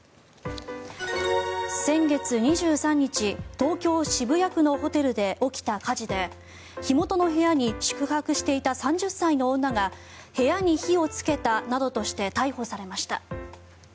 先月２３日、東京・渋谷区のホテルで起きた火事で火元の部屋に宿泊していた３０歳の女が部屋に火をつけたなどとして逮捕されました。